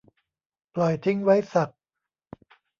ปล่อยทิ้งไว้สัก